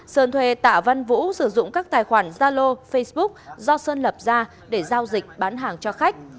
sơn thuê tạ văn vũ sử dụng các tài khoản zalo facebook do sơn lập ra để giao dịch bán hàng cho khách